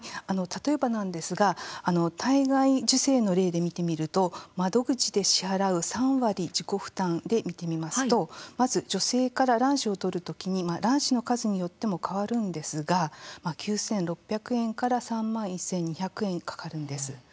例えばなんですが体外受精の例で見てみると窓口で支払う３割自己負担で見てみますとまず女性から卵子を採るときに卵子の数によっても変わるんですが、９６００円から３万１２００円かかるんです。